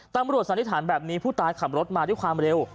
สันนิษฐานแบบนี้ผู้ตายขับรถมาด้วยความเร็ว